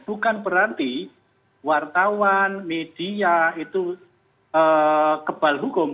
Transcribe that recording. bukan berarti wartawan media itu kebal hukum